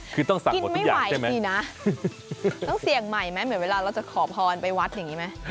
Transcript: คือต้องสั่งกินไม่ไหวสินะต้องเสี่ยงใหม่ไหมเหมือนเวลาเราจะขอพรไปวัดอย่างนี้ไหม